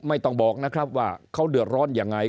ไม่ต้องบอกนะครับว่าเขาเดือดร้อนยังไง